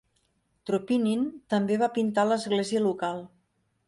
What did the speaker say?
Tropinin també va pintar l'església local.